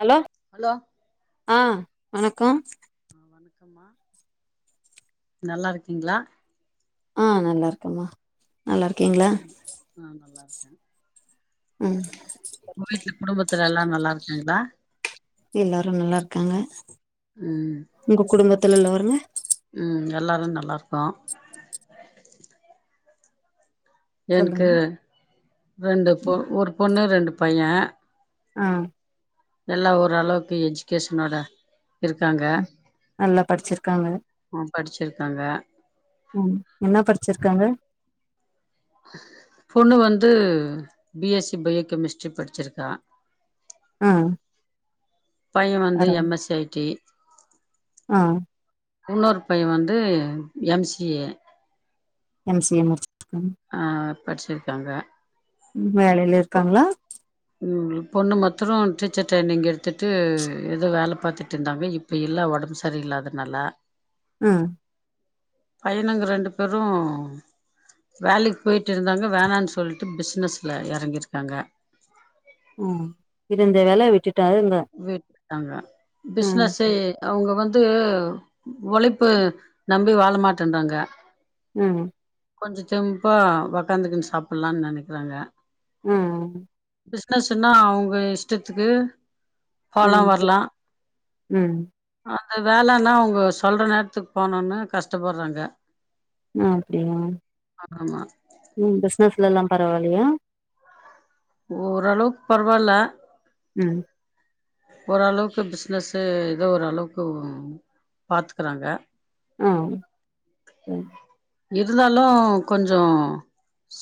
Hello hello ஆ வணக்கோ வ வணக்கம்மா நல்லாருக்கீங்ளா ஆ நல்லா இருக்கம்மா நல்லா இருக்கீங்களா ஆ நல்லா இருக்கே ம் உங்க வீட்ல குடும்பத்துல எல்லா நல்லா இருக்காங்களா எல்லாரு நல்லா இருக்காங்க ம் உங்க குடும்பத்துல லெல்லோருங்க ம் எல்லோரு நல்லாருக்கோ எனக்கு சொல்லுங்க ரெண்டு பொ ம் ஒரு பொண்ணு ரெண்டு பைய ஆ எல்லா ஓரளவுக்கு எஜுகேஷனோட இருக்காங்க ம் நல்லா படிச்சிருக்காங்க படிச்சிருக்காங்க ம் என்ன படிச்சிருக்காங்க பொண்ணு வந்து பி எஸ் சி பயோகெமிஸ்ட்ரி படுச்சிருக்கா ம் பைய வந்து M S C I T ம் இன்னொரு பைய வந்து M C A M C A முடுச்சிட் [unintelligible] ஆ படுச்சிருக்காங்க ம் வேலைல இருக்காங்களா ம் பொண்ணு மத்தரொ டீச்சர் ட்ரைனிங் எடுத்துட்டு எதோ வேல பாத்துட்டு இருந்தாங்க இப் இப்ப இல்ல உடம்பு சரியில்லாதனால ம் பையனுங்க ரெண்டு பேரு வேலைக்கு போய்ட்டு இருந்தாங்க வேணான்னு சொல்ட்டு பிஸ்னஸ்ல எறங்கியிருக்காங்க ம் இருந்த வேல விட்டுட்டாருங்க விட்டுட்டாங்க ம் பிசினஸ்ஸு ம் அவங்க வந்து ஒழைப்பு நம்பி வாழ மாட்டேன்றாங்க ம் கொஞ்சம் தெம்பா உடக்காந்துக்குன்னு சாப்லாம்னு நினைக்கிறாங்க உம் பிசினஸ்ன்னா அவுங்க இஷ்டத்துக்கு போலா ம் வரலாம் ம் அந்த வேலன்னா அவுங்க சொல்ற நேரத்துக்கு போனும்னு கஷ்டப்படுறாங்க அப்டியா ஆமா ம் பிஸ்னஸ்லல்லா பரவால்லையா ஓரளவுக்கு பரவால ம் ஓரளவுக்கு பிஸ்னஸ்ஸு ஏதோ ஓரளவுக்கு பாத்துக்குறாங்க ஆ செர் இருந்தாலு கொஞ்ஜோ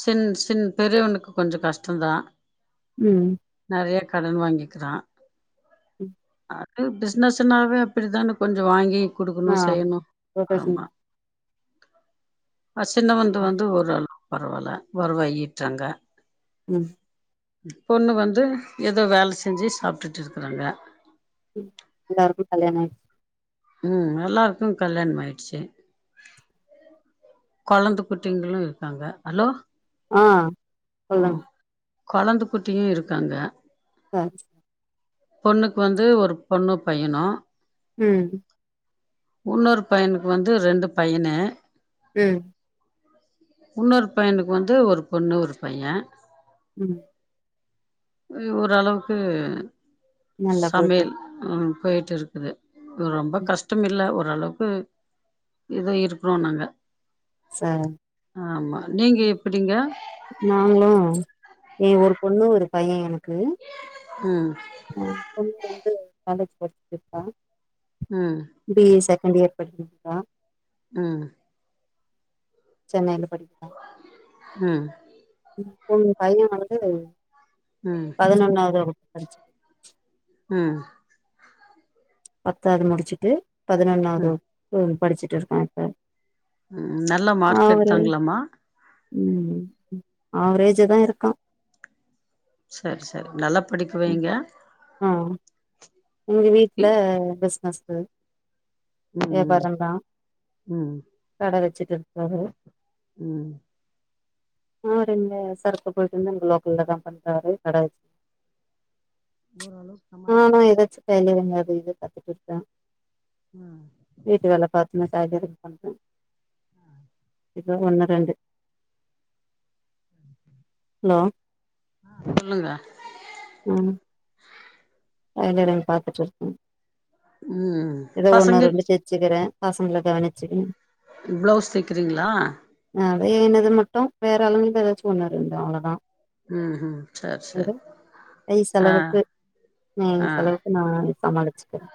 சின் சின் பெரியவனுக்கு கொஞ்ஜோ கஷ்டொந்தா ம் நெறையா கடன் வாங்கிக்றா ம் அது பிஸ்னஸ்ஸுனாவே அப்டி தான கொஞ்சோ வாங்கி ஆ குடுக்கனு செய்யனு ரொட்டேஷன் ஆமா அ சின்னவன்து வந்து ஓரளவுக்கு பரவால்ல ஒறவாய்டாங்க ம் பொண்ணு வந்து ஏதோ வேல செஞ்சு சாப்டுட்டு இருக்கறாங்க ம் எல்லார்க்கு கல்யாணொ ம் எல்லாருக்கு கல்யாணம் ஆயிடுச்சு கொழந்த குட்டிங்களும் இருக்காங்க ஹலோ ஆ ம் சொல்லுங் கொழந்த குட்டியு இருக்காங்க [unintelligible] பொண்ணுக்கு வந்து ஒரு பொண்ணு பையனு ம் உன்னொரு பையனுக்கு வந்து ரெண்டு பையனு ம் உன்னொரு பையனுக்கு வந்து ஒரு பொண்ணு ஒரு பைய ம் ம் ஓரளவுக்கு நல்லா போயிட்டு சமையல் ம் போய்ட்டு இருக்குது ரொம்ப இருக்கு கஷ்டம் இல்ல ஓரளவுக்கு இதோ இருக்கொறோ நாங்க சார் ஆமா நீங்க எப்டிங்க நாங்ளும் என் ஒரு பொண்ணு ஒரு பையன் எனக்கு ம் அ பொண்ணுங்க வந்து காலேஜ் படிச்சிட்டு இருக்கா ம் பி ஏ செகண்ட் இயர் படிச்சிட்ருக்கா அ சென்னையில படிக்கிதா ம் ம் ம் பையே வந்து ம். ம். பதினொன்னாவது வகுப்பு படிச்சிட் ம் பத்தாது முடிச்சுட்டு பதினொன்னாவது ம். வகுப்பு படிச்சுட்டு இருக்கா இப்ப ம் நல்ல மார்க் அவரு எடுத்தாங்களாம்மா ம் ம் ஆவ்ரேஜாதா இருக்கா செர் செர் நல்லா படிக்க ம் வைங்க ஆ எங்க இ வீட்டுல பிசினஸ்ஸு ம். வியாபாரந்தா ம் கட வெச்சுட்டு இருக்காரு ம் ஆ அவரு இந்த சரக்கு போய்ட்டு வந்து இங்க லோக்கல்ல தா பண்றாரு கட வெச்சு ஓரளவுக் ஆ நா எதாச்சு வேல அது இதுன்னு பாத்துட்டு இருப்ப வீட்டு வேல பாத் உனக்காக ரெடி பண்றே இப்பதா ஒன்னு ரெண்டு ஹலோ சொல்லுங்க நானு டைலர் வேல பாத்துட்ருக்கே ம் எதோ ஒன்னு பசங்க ரெண்டு தெச்சுகிறே பசங்கள கவனிச்சுகங்க ப்ளவுஸ் தெக்கிறீங்ளா நெறையா என்னது மட்டும் வேற அளவு இருந்தா எதாச்சும் ஒன்னு ரெண்டு அவ்ளோதா ம் ஹும் சேர் செரி ஏதோ ஆ நா ஏ ஆ செலவுக்கு நான் சமாளிச்சுக்குவே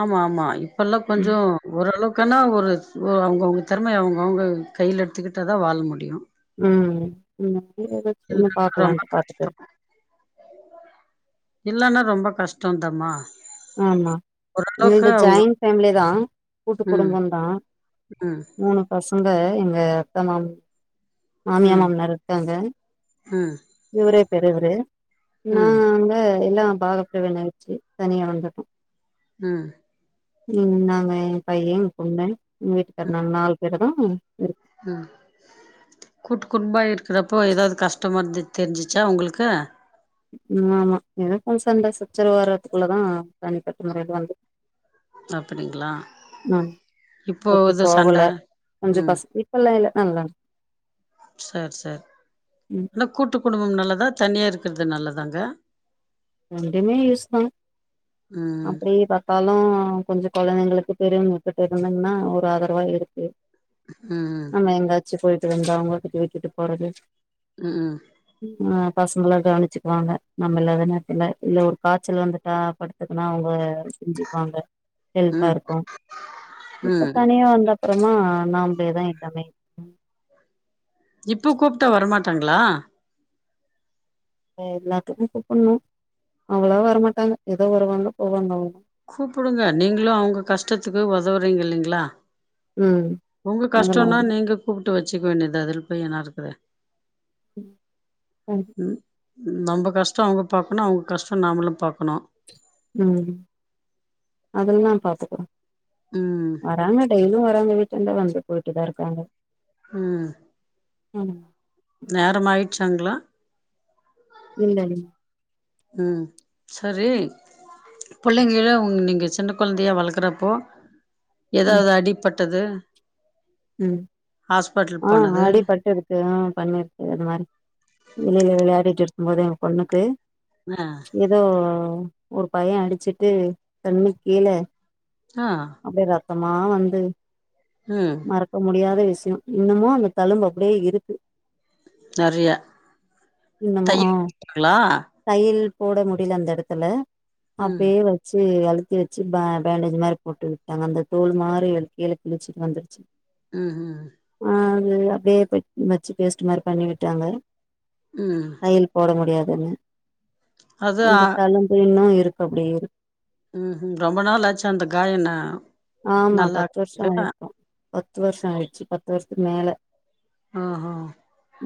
ஆமா ஆமா இப்பெல்லா கொஞ்சோ ஓரளவுக்கானா ஒரு ஒரு அவங்கவுங்க தெறமய அவங்கவுங்க கையில எடுத்துக்கிட்டா தா வாழ முடியு ம் ம் நீங்க அப்டியே எதாச்சு ஒண்ணு பாக்கலான்ட்டு பாத்துட்டு இருக் இல்லன்னா ரொம்ப கஷ்டோ தர்மா ஆமா என்னது ஜாயிண்ட் ஃபேம்லி தா கூட்டு குடும்பம் தா அ மூணு பசங்க எங்க அக்கா மாமு மாமியா ம் மாமனார் இருக்காங்க ம் இவரு பெரியவரு ம் நாங்க எல்லா பாகப்பிரிவின ஆயிடுச்சு தனியா வந் துட்டோ ம் ம் நாங்க ஏ பையே எங்க பொண்ணு எங்க வீட்டுக்கார் நாங்க நாலு பேர் தா இருக் ம் கூட்டு குடும்பமா இருக்குறப்போ எதாவது கஷ்டமா இருந்து தெரிஞ்சிச்சா உங்களுக்கு ம் ஆமா எனக்கு சண்ட சச்சரவு வரதுக்குள்ளதா தனிப்பட்ட முறைல வந்து அப்டிங்களா அ இப்போ ஒத்து ஏதோ சண்ட போகல கொஞ்சோ ம் ஃபஸ்ட்டு அப்புல்லா இல்ல நல்லா சேர் சேர் ம் இல்ல கூட்டு குடும்பம் நல்லதா தனியா இருக்கறது நல்லதாங்க ரெண்டுமே யூஸ்தா ம் அப்டேபா பாலூ கொஞ்சோ கொழந்தைங்களுக்கு பெரியவ்ங்க கிட்ட இருந்தம்ன்னா ஒரு ஆதரவா இருக்கு ம் நம்ம எங்காச்சு போய்ட்டு வந்தா அவுங்ககிட்ட விட்டுட்டுபோறது ம் ம் பசங்களா கவனிச்சுக்குவாங்க நம்ம இல்லாத நேரத்துல இல்ல ஒரு காச்சல் வந்துட்டா படு னா அவுங்க செஞ்சுக்வாங்க ஹெல்ப்பா ம் இருக்கு இப்ப ம் தனியா வந்தா அப்றோமா நாம்லேதா எல்லமே இப்ப கூப்ட்டா வரமாட்டாங்ளா அ எல்லாத்துக்கு கூப்பட்ணு அவ்ளோவா வரமாட்டாங்க எதோ வருவாங்க போவாங்க அவ்ளோ கூப்புடுங்க நீங்ளு அவுங்க கஷ்டத்துக்கு உதவுறீங்க இல்லைங்ளா ம் உங்க அதெல்லா கஷ்டோனா நீங்க கூப்ட்டு வெச்சுக்க வேண்டிதுதா இதுல போய் என்ன இருக்குது ம் ம் ம் நம்ப கஷ்டோ அவுங்க பாக்கணு அவுங்க கஷ்டோ நாமளு பாக்கணு ம் அதுலதா பாத்துக்கறோ ம் வராங்க டெய்லியு வராங்க வீட்டாண்ட வந்து போய்ட்டுதா இருக்காங்க ம் ஆமா நேரம் ஆய்ட்ச்சாங்ளா இல்ல இல் ம் செரி புள்ளைங்கள உங் நீங்க சின்ன கொழந்தையா வளக்குறப்போ ம் எதாது அடிப்பட்டது ம் ஹாஸ்பிட்டல் ஆ போனது அடிபட்டுருக் அ பண்ணீருக்கு அதுமாரி வெளில வெளயாடிட்டு இருக்கும்போது என்ங் பொண்ணுக்கு என்னா எதோ ஒரு பைய அடிச்சிட்டு கண்ணுக்கீழ ஆ அங்க ரத்தமா வந்தது ம் மறக்க முடியாத விஷ்யோ இன்னமு அந்த தழும்பு அப்டியே இருக்கு நெறைய என்னமோ ஆ தையல் போட்டாங்களா தையல் போட முடில அந்த எடத்துல ம் அப்டியே வெ ச்சு அழுத்தி வெச்சு பே பேண்டேஜ்மாரி போட்டு விட்டாங்க அந்த தோல்மாரி அது கீழ கிழிச்சிட்டு வந்துரு அ அ ஆ அதுல அப்டியே வெச்சு பேஸ்ட்டுமாரி பண்ணி விட்டாங்க ம் தையல் போட முடியாதுன்னு அது ஆ அந்த தளும்பு இன்னு இருக்கு அப்டியே இருக் ம் ஹும் ரொம்ப நாளாச்சு அந்த காயோன்ன ஆமா பத்து வர்ஷோ ஆய்ருக்கு பத்து வர்ஷோ ஆயிடுச்சு பத்து வர்ஷத்துக்கு மேல ஓஹோ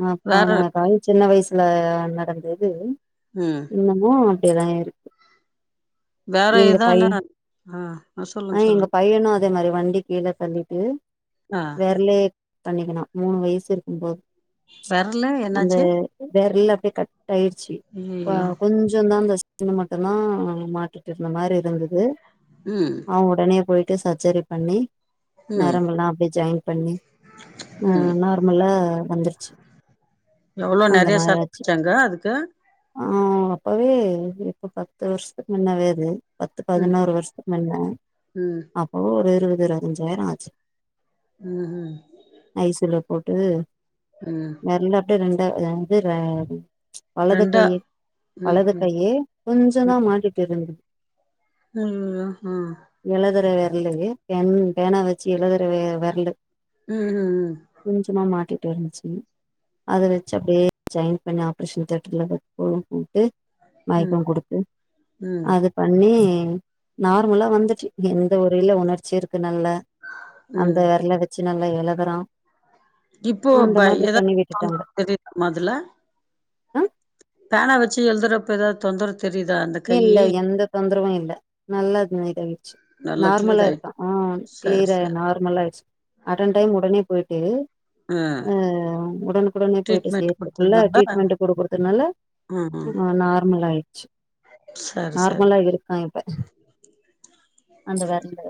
நா வேற போன பரு சின்ன வயசுல நடந்தது ம் இன்னமூ அப்டியேதா இருக் வேற எதான்னா ஆ சொல்லுங்க சொல்லுங்க பையனு அதே மாரி வண்டி கீழ தள்ளீட்டு ஆ வெர்லே தண்ணிக்கிணா மூணு வய்சு இருக்கும் போது வெரலு அந்த என்னாச்சு வெரல் அப்டியே கட் ஆய்ருச்சு ஆ ஐயயோ கொஞ்சந்தா அந்த இன மட்டுந்தா மாட்டிட்டு இருந்த மாரி இருந்தது ம் அவ உடனே ட்ட சர்ஜரி பண்ணி ம் நரம்பெல்லா அப்டியே ஜாய்ன் பண்ணி ம் ம்நாருக் நல்லா வந்துருச்சு எவ்ளோ அந்த நெறைய மாரி ஆச்சு செலவழிச்சாங்க அதுக்கு ஆ அப்பவே எப்போ பத்து வருஷத்துக்கு முன்னவே அது பத்து ம் பதினோரு வருஷத்துக்கு மின்ன ம் அப்போ ஒரு இருவது இருவது அஞ்சாயிரம் ஆச்சு ம்ஹும் ஐ சி யூ ல போட்டு ம் தெரீல அப்டி ரெண்டா ரெண்டு ஆ ரெண்டு வலது கை ரெண்டா ம் வலது ம் கையி கொஞ்சோ தா மாட்டிட்டுருந்தது ம் ய ஹா எழுதுற வெரலுவே பென் பேனா வச்சு எழுதுற வெ வெரலு ம் ம் ம் கொஞ்சமா மாட்டீட்டிருந்ச்சு அத வச்சு அப்டியே ஜாயின் பண்ணி ஆப்ரேஷன் தேட்டர்ல் வெப்போ வூட்டு ம் மயக்கோ குடுத்து ம் அது பண்ணி நார்மலா வந்துட்டு எந்த ஒரைல உணர்ச்சி இருக்கு நல்ல அந்த ம் வெரல வச்சு நல்லா எழுதறா இப்போ பய் எத விட்டுட்டாங்க [inaudible] மதுல பேனா வச்சு எழுதுறப்போ ஏதாது தொந்தர தெரியுதா அந்த கையி இல்ல எந்த தொந்தரவும் இல்ல நல்லா து இதாயுடுச்சு நல்லா நார்மலா கிளியர் ஆயி ருக்கான் ஆஹ் சரி க்ளீரா சரி நார்மலா ஆயிருச் அட்டன் டைம் உடனே போயிட்டு ஆ ஒடனுகுடனே போயிட்டு ட்ரீட்மெண்ட் செய்யறதுக்குள்ள குடுத்ததுனால ட்ரீட்மெண்ட் குடுக்குறதுனால ம் ம் ஆ நார்மல் ஆயிருச்சு சரி சரி நார்மலா இருக்கா இப்ப அந்த வெரலு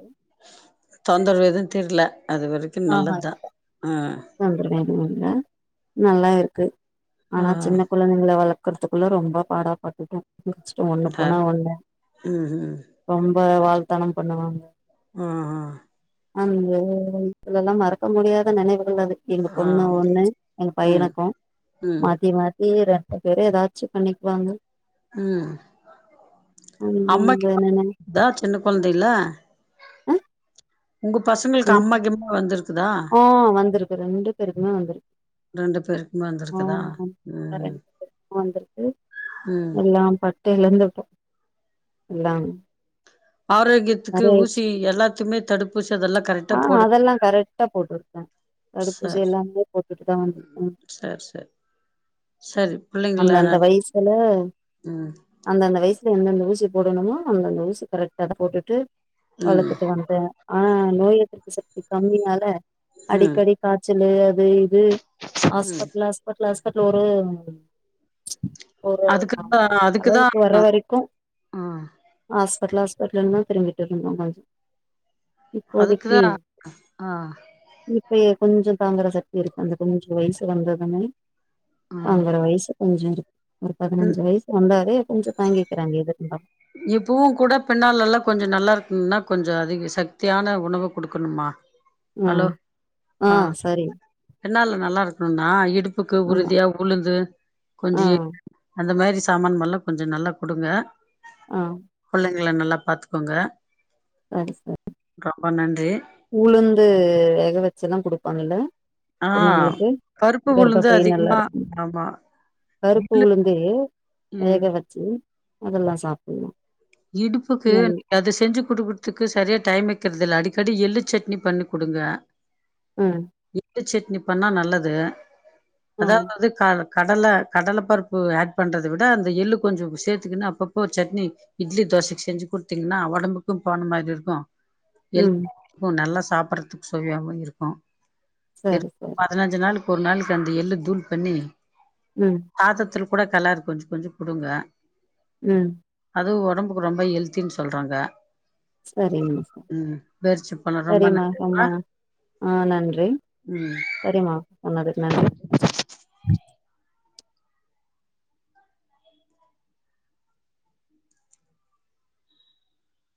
தொந்தரவு எதுவும் தெரீல அது வரைக்கும் ஆஹா நல்லத்தான் ஆஹ் தொந்தரவு ஏதுமில்லே நல்லா ருக்கு ஆ ஆனா சின்ன கொ கொழந்தைங்கள வளக்கறதுக்குள்ள ரொம்ப பாடாப் பட்டுட்டோ முடிச்சிட்டோ ஒண்ணு ந போனா ஒண்ணு ம் ம் ரொம்ப வால்த்தனம் பண்ணுவாங்க ஆஹான் அந்த இதுல எல்லாம மறக்க முடியாத நினைவுகள் அது எங்க பொண்ணு ஆம் ஒண்ணு எங்க ம் பையனுக்கும் ம் மாத்தி மாத்தி ரெ ஓன் பேரு எதாச்சு பண்ணிக்வாங்க ம் ம் ம் வேணுனே அதா சின்ன கொழந்தைல ஆ உங்க பசங்களுக்கு என்ன அம்மா கிம்மா வந்திருக்குதா ஆ வந்திருக்கு ரெண்டு பேருக்குமே வந்துரு ரெண்டு பேருக்குமே வந்திருக்குதா ம் ரெண்டு வந்திருக்கு ம் எல்லா பட்டு எழுந்துட்டோ எல்லா ஆரோக்கியத்துக்கு ஊசி எல்லாத்துக்மே தடுப்பூசி அதெல்லா கரெக்டா ஆ போடு அதெல்லா கரெக்ட்டா போட்ருக்கே தடுப்பூசி எல்லாமே போட்டுட்டு தா வந்துருக்கோ சேர் சேர் அந்தந்த வய்சுல ம் அந்தந்த வய்சுல எந்தெந்த ஊசி போடணுமோ அந்தந்த ஊசி கரெக்ட்டா அத போட்டுட்டு ம் வளத்துட்டு வந் து ஆனா நோய் எதிர்ப்பு சக்தி கம்மியால ம் அடிக்கடி காய்ச்சலு அது இது ம் ஆஸ்பட்லு ஆஸ்பட்லு ஆஸ்பட்லு ஒரு ஒரு நாம் அதுக்குதா அளவு அதுக்குதா வர வரைக்கு ஆ ஹாஸ்பட்லு ஹாஸ்பிட்டல்ன்தா திருஞ்சிட்டிர்ந்தோ ஏதாச்சு ஒதுக்கி அதுக்குதா ஆ இப்பயே கொஞ்சோ தாங்குற சக்தி இருக்கு அந்த கொஞ்சு வய்சு வந்ததுமே தாங்கர வய்சு கொஞ்சு இரு ஒரு ஆ பதினஞ்சு வய்ஸ் வந்தாலே கொஞ்சோ தாங்கிக்கிறாங்க எது இருந்தா இப்பவு கூட பின்னாலலா கொஞ்சு நல்லா இருக்குனா கொஞ்சோ அதிக சக்தியான உணவ குடுக்கணுமா ஹலோ ம் ஆ பின்னால நல்லா இருக்கணுனா இடுப்புக்கு ஆமா உறுதியா உளுந்து ஆ கஞ்சி அந்த மாரி சாமான்மலா கொஞ்சோ நல்லா குடுங்க ஆ புள்ளைங்கள நல்லா பாத்துக்கோங்க சரி சரி ரொம்ப நன்றி உளுந்து வேக வெச்சுலா குடுப்பாங்கல ஆ பொண்ணுங்களுக்கு பருப்பு உளுந்து கர்ப்பப்பை நல்லா அதிகமா இருக்கு ஆமா கருப்பு இல்ல உளுந் து ம் வேக வச்சு அதெல்லா சாப் இடுப்புக்கு அது செஞ்சு குடுக்குற்துக்கு சரியா டைம் வக்கிற்தில்ல அடிக்கடி எள்ளு சட்னி பண்ணி குடுங்க ம் எள்ளு சட்னி பண்ணா நல்லது ஆ அதாவது கல கடல கடலப்பருப்பு ஆட் பண்றத விட அந்த எள்ளு கொஞ்சோ சேர்த்துக்கினு அப்பப்போ சட்னி இட்லி தோசைக் செஞ்சு குடுத்தீங்ன்னா ஒடம்புக்கு போன மாரி இருக்கு எள் ம் கு நல்லா சாப்புறதுக் சுவையாவு இருக்கு சேரி சேர் பதினஞ்சு நாளுக்கு ஒரு நாளுக்கு அந்த எள் தூள் பண்ணி ம் சாதத்துல கூட கலார் கொஞ்சு கொஞ்சு குடுங்க ம் அதூ ஒடம்புக்கு ரொம்ப ஹெல்த்தின் சொல்றாங்க சரிம்மா சரி ம் பேரிச்சம்பழோ ரொம்ப சரிம்மா நல்லதுமா தூங்கலா ஆ நன்றி ம் செரிம்மா சொன்னதுக்கு நன்றி வச்சிட்